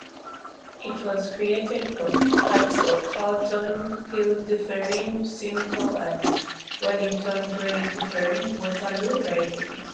It was created from parts of Halton, Peel-Dufferin-Simcoe and Wellington-Grey-Dufferin-Waterloo ridings.